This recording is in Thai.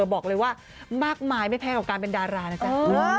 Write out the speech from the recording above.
บอกเลยว่ามากมายไม่แพ้กับการเป็นดารานะจ๊ะ